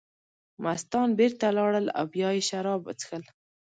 مستان بېرته لاړل او بیا یې شراب وڅښل.